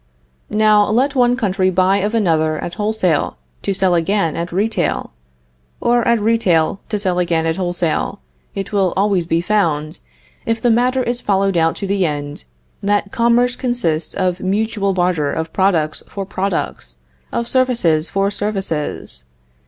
Now, let one country buy of another at wholesale to sell again at retail, or at retail to sell again at wholesale, it will always be found, if the matter is followed out to the end, that commerce consists of mutual barter of products for products, of services for services.